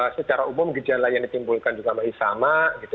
secara umum gejala yang ditimbulkan juga masih sama gitu